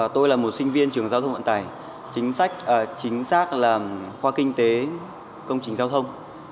tôi là một sinh viên trường giao thông vận tải chính sách chính xác là khoa kinh tế công trình giao thông